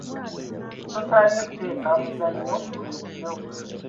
Tosaanye kuteeka muzannyo mu bintu by'okola.